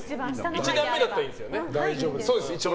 １段目だったらいいんですよね。